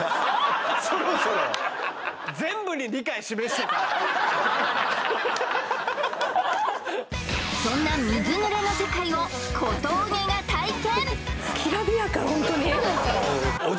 そろそろそんな水濡れの世界を小峠が体験！